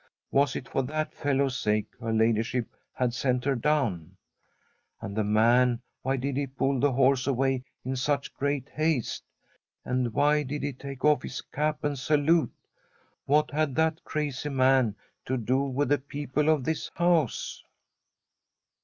Was it for that fellow's sake her ladyship had sent her down ? And the man, why did he pull the horse away in such great haste ? And why did he take of! his cap and salute ? What had that crazy man to do with the people of this house